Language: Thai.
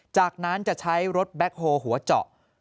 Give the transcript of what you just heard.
จากนั้นจะใช้รถแบ็คโฮลหัวเจาะ